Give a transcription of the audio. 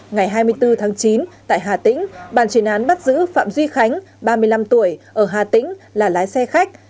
ngày hai mươi bốn tháng chín tại hà tĩnh bàn chuyển án bắt giữ phạm duy khánh ba mươi năm tuổi ở hà tĩnh là lái xe khách